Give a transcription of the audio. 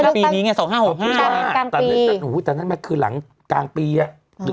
ปีนี้ไงสองห้าหกห้าตอนนั้นกลางปีอู๋แต่นั้นมันคือหลังกลางปีอ่ะ